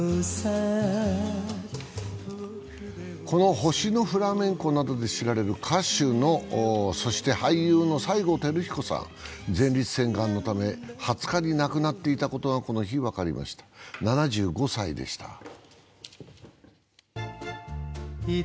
この「星のフラメンコ」などで知られる歌手そして俳優の西郷輝彦さん、前立腺がんのため２０日に亡くなっていたことがこの日分かりました、７５歳でした。